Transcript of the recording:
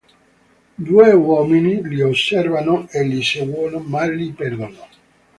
Due uomini li osservano e li seguono, ma li perdono.